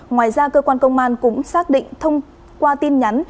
ngoài ra cơ quan công an cũng xác định thông qua tin nhắn